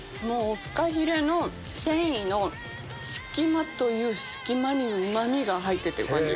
フカヒレの繊維の隙間という隙間にうま味が入って行ってる感じ。